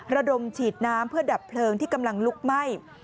ระดมฉีดน้ำเพื่อดับเพลิงที่กำลังลุกไหม้